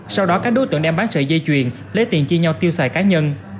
sau đó các đối tượng đem bán sợi dây chuyền lấy tiền chia nhau tiêu xài cá nhân